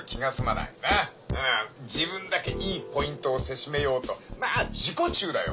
なっ自分だけいいポイントをせしめようとまあ自己中だよ。